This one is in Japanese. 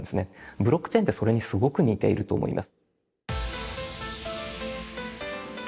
ブロックチェーンってそれにすごく似ていると思います。